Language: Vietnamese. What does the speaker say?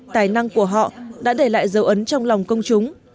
tài năng của họ đã để lại dấu ấn trong lòng công chúng